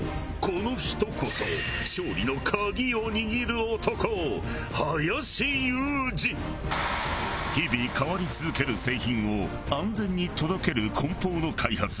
この人こそ勝利の鍵を握る男日々変わり続ける製品を安全に届ける梱包の開発。